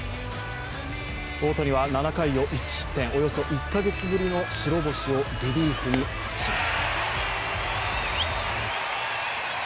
大谷は７回を１失点およそ１カ月ぶりの白星をリリーフに託します。